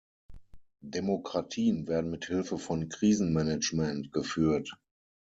Demokratien werden mit Hilfe von Krisenmanagement geführt.